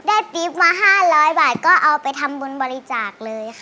ได้ตริฟต์มา๕๐๐บาทก็เอาไปทำเงินบริจาคเลยค่ะ